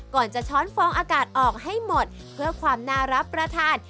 ก่อนจะช้อนฟองอากาศออกให้หมดเพื่อความน่ารับประทาน